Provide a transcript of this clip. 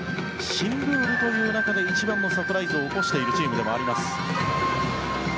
新ルールという中で一番のサプライズを起こしているチームでもあります。